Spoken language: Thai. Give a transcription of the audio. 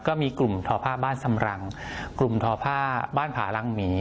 ก็มีกลุ่มทอผ้าบ้านสำรังกลุ่มทอผ้าบ้านผารังหมี